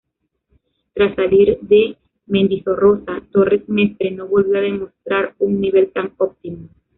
Tras salir de Mendizorroza, Torres Mestre no volvió a demostrar un nivel tan óptimo.